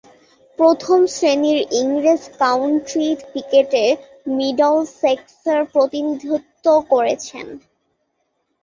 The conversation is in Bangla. প্রথম-শ্রেণীর ইংরেজ কাউন্টি ক্রিকেটে মিডলসেক্সের প্রতিনিধিত্ব করেছেন।